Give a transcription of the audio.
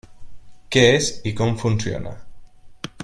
Què és i com funciona.